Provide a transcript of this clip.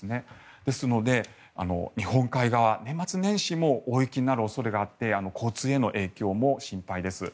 ですので、日本海側年末年始も大雪になる恐れがあって交通への影響も心配です。